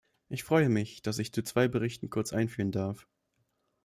Ich freue mich, dass ich zu zwei Berichten kurz einführen darf.